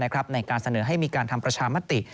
ในการเสนอให้มีการทำประชามติ